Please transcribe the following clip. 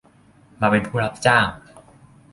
มาเป็นผู้รับจ้าง